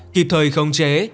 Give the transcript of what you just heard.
kịp thời không chế